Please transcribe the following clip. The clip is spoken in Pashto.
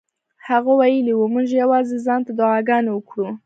هغه ویلي وو موږ یوازې ځان ته دعاګانې وکړو.